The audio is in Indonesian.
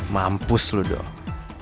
mampus lu dong